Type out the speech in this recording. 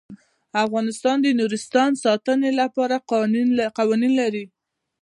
افغانستان د نورستان د ساتنې لپاره قوانین لري.